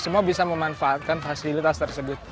semua bisa memanfaatkan fasilitas tersebut